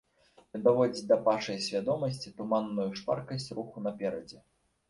Ён даводзіць да пашай свядомасці туманную шпаркасць руху наперадзе.